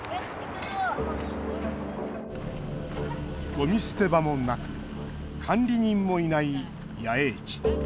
ゴミ捨て場もなく管理人もいない野営地。